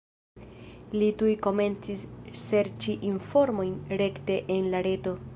Li tuj komencis serĉi informojn rekte en la reto.